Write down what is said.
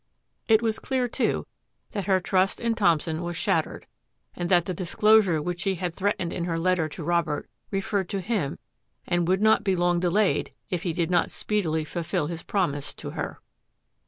It was clear, too, that her trust iit Thompson was shat tered, and that the disclosure which she had threat ened in her letter to Robert referred to him and would not be long delayed if he did not speedily fulfil his promise to her.